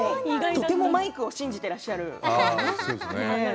とてもマイクを信じていらっしゃる。